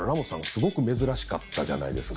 すごく珍しかったじゃないですか。